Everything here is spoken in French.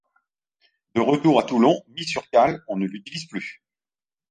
De retour à Toulon, mis sur cales, on ne l'utilise plus.